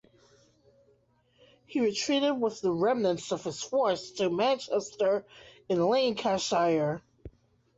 He retreated with the remnants of his force to Manchester in Lancashire.